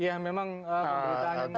ya memang pemberitaannya itu ada